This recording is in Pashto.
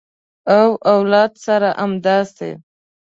او اولاد سره همداسې